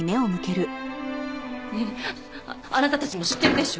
ねえあなたたちも知ってるでしょ？